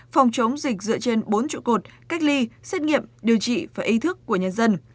phòng chống dịch dựa trên bốn trụ cột cách ly xét nghiệm điều trị và ý thức của nhân dân